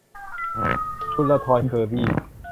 กุลธรเคอร์บี้